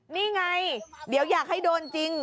นี่ไงเดี๋ยวอยากให้โดนจริง